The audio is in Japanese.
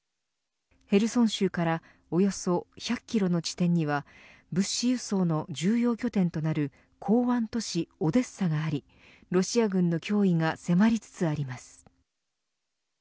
ヘルソン州からおよそ１００キロの地点には物資輸送の重要拠点となる港湾都市オデッサがありロシア軍の脅威が迫りつつあります。